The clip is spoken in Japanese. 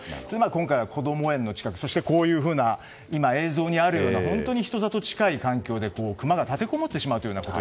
今回は、こども園の近くそして、こういうふうな今、映像にあるような人里近い環境でクマが立てこもってしまう。